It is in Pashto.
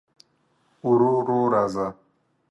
ورو ورو راځه